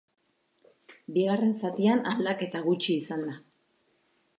Bigarren zatian aldaketa gutxi izan da.